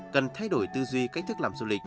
cần thay đổi tư duy cách thức làm du lịch